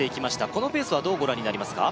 このペースはどうご覧になりますか？